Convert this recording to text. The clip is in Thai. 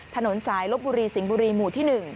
ถนนสายลบบุรีสิงห์บุรีหมู่ที่๑